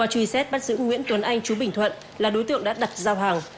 truy xét bắt giữ nguyễn tuấn anh chú bình thuận là đối tượng đã đặt giao hàng